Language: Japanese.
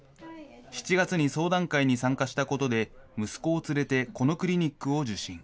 ７月に相談会に参加したことで、息子を連れてこのクリニックを受診。